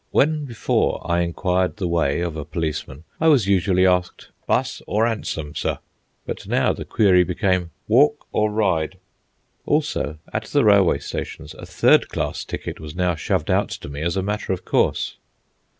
When before I inquired the way of a policeman, I was usually asked, "Bus or 'ansom, sir?" But now the query became, "Walk or ride?" Also, at the railway stations, a third class ticket was now shoved out to me as a matter of course.